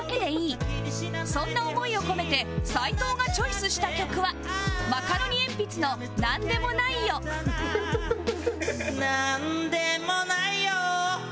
そんな思いを込めて斎藤がチョイスした曲はマカロニえんぴつの『なんでもないよ、』ハハハハ！